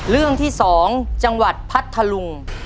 เรื่องที่๒จังหวัดพัทธลุง